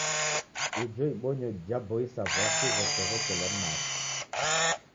Ijo ibonyo jaboisa w'asi ghosow'ekelwa nim machi.